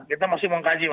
kita masih mengkaji mas